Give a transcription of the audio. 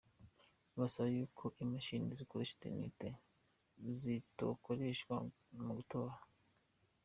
Basaba yuko imashini zikoresha 'internet' zitokoreshwa mu gutora.